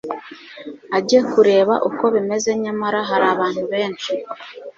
ajye kureba uko bimeze nyamara hari abantu benshi